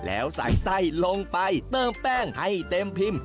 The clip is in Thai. แล้วใส่ไส้ลงไปเติมแป้งให้เต็มพิมพ์